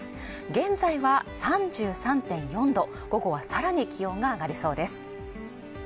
現在は３３．４度午後はさらに気温が上がりそうです